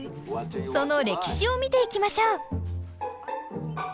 その歴史を見ていきましょう！